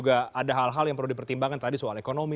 ada hal hal yang perlu dipertimbangkan tadi soal ekonomi